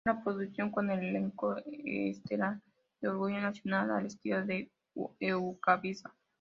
Una producción con elenco estelar de orgullo nacional, al estilo de Ecuavisa.